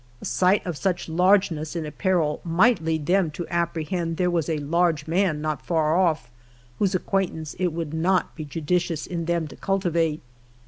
A sight of such largeness in apparel might lead them to apprehend there was a large man not far oif whose acquaintance it would not be iudicious in them to cultivate.